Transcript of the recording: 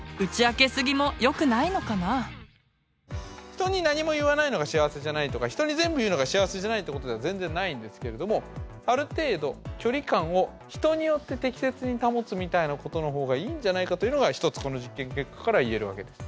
人に何も言わないのが幸せじゃないとか人に全部言うのが幸せじゃないってことでは全然ないんですけれどもある程度距離感を人によって適切に保つみたいなことの方がいいんじゃないかというのが一つこの実験結果から言えるわけです。